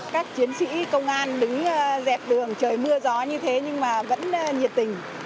các chiến sĩ công an đứng dẹp đường trời mưa gió như thế nhưng mà vẫn nhiệt tình